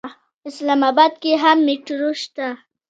اسلام اباد کې هم میټرو شته.